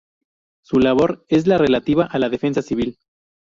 Su labor es la relativa a la defensa civil.